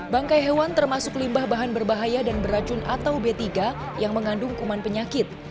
bangkai hewan termasuk limbah bahan berbahaya dan beracun atau b tiga yang mengandung kuman penyakit